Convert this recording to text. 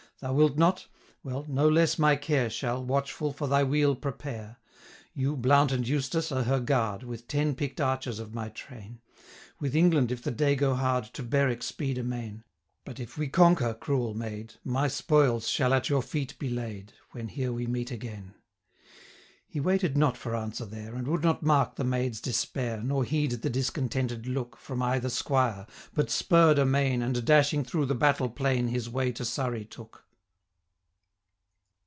Thou wilt not? well, no less my care 695 Shall, watchful, for thy weal prepare. You, Blount and Eustace, are her guard, With ten pick'd archers of my train; With England if the day go hard, To Berwick speed amain. 700 But if we conquer, cruel maid, My spoils shall at your feet be laid, When here we meet again.' He waited not for answer there, And would not mark the maid's despair, 705 Nor heed the discontented look From either squire; but spurr'd amain, And, dashing through the battle plain, His way to Surrey took.